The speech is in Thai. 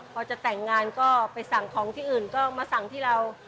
พอจะแต่งงานก็ไปสั่งของที่อื่นก็มาสั่งที่เรา